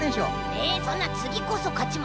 えそんなつぎこそかちます。